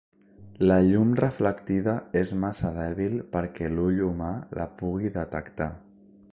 La llum reflectida és massa dèbil perquè l'ull humà la pugui detectar.